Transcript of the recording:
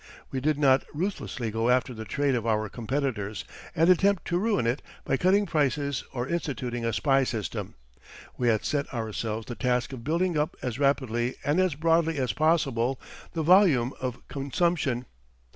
We did not ruthlessly go after the trade of our competitors and attempt to ruin it by cutting prices or instituting a spy system. We had set ourselves the task of building up as rapidly and as broadly as possible the volume of consumption.